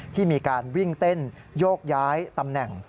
ที่มีการวิ่งเต้นโยกย้ายตำแหน่ง